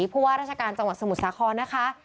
ผู้ว่าราชการจังหวัดสมุทรสาครนะคะ